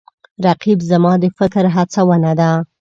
رقیب زما د فکر هڅونه ده